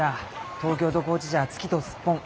東京と高知じゃ月とスッポン。